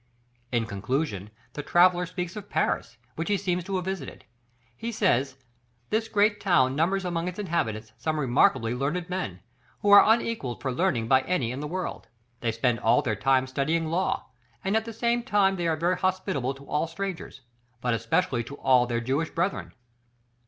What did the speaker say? In conclusion the traveller speaks of Paris, which he seems to have visited; he says, "This great town numbers among its inhabitants some remarkably learned men, who are unequalled for learning by any in the world; they spend all their time studying law, and at the same time are very hospitable to all strangers, but especially to all their Jewish brethren."